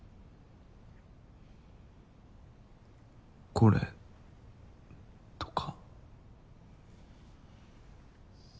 これとか。